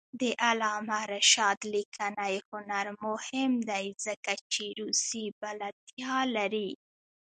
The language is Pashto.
د علامه رشاد لیکنی هنر مهم دی ځکه چې روسي بلدتیا لري.